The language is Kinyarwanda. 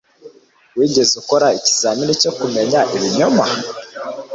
Wigeze ukora ikizamini cyo kumenya ibinyoma?